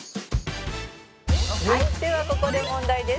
「はいではここで問題です」